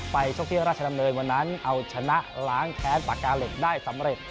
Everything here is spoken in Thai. ชกที่ราชดำเนินวันนั้นเอาชนะล้างแค้นปากกาเหล็กได้สำเร็จ